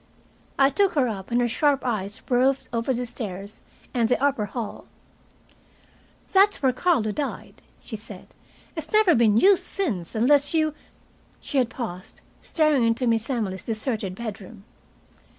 I took her up, and her sharp eyes roved over the stairs and the upper hall. "That's where Carlo died," she said. "It's never been used since, unless you " she had paused, staring into Miss Emily's deserted bedroom.